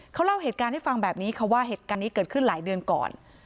เขาเล่าเหตุการณ์ให้ฟังแบบนี้ค่ะว่าเหตุการณ์นี้เกิดขึ้นหลายเดือนก่อน